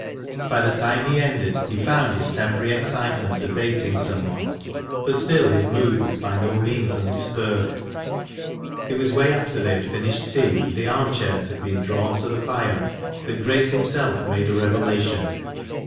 By the time he ended be found his temporary extitti ment abating somewhat, but still his mood was by no means undisturbed. It was after they had finished tea and the arm chairs ha( been drawn to the fire that Grace himself made a revela tion.